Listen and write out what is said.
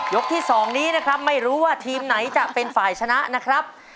ที่๒นี้นะครับไม่รู้ว่าทีมไหนจะเป็นฝ่ายชนะนะครับ